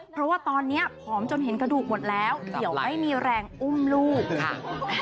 เพราะว่าตอนนี้ผอมจนเห็นกระดูกหมดแล้วเดี๋ยวไม่มีแรงอุ้มลูกค่ะ